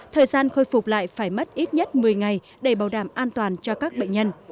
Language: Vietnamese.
thời gian khôi phục lại phải mất ít nhất một mươi ngày để bảo đảm an toàn cho các bệnh nhân